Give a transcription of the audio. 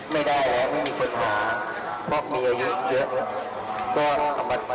ไม่มีความเคยเข้าป่า